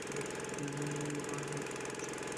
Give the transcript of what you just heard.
আদিম মানুষের ক্ষেত্রেও এইরূপ ঘটিত।